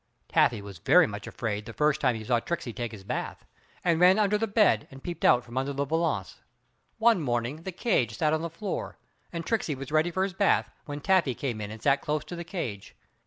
Taffy was very much afraid the first time he saw Tricksey take his bath, and ran under the bed and peeped out from under the valance. One morning the cage sat on the floor, and Tricksey was ready for his bath, when Taffy came in and sat close to the cage.